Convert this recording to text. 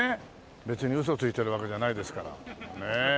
別にウソついてるわけじゃないですから。